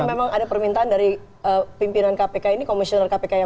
artinya memang ada permintaan dari pimpinan kpk ini komisional kpk yang memperkenalkan